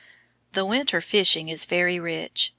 The winter fishing is very rich.